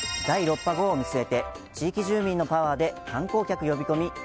第６波語を見据えて地域住民のパワーで観光客呼び込み。